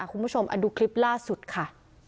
คุณผู้ชมดูคลิปล่าสุดค่ะ